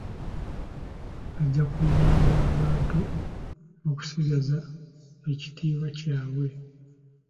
Ajja kuyamba abantu okusigaza ekitiibwa kyabwe.